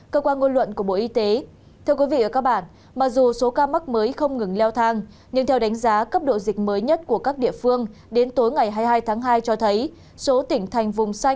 các bạn hãy đăng ký kênh để ủng hộ kênh của chúng mình nhé